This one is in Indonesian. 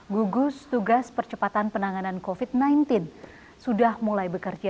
gugus tugas percepatan penanganan covid sembilan belas sudah mulai bekerja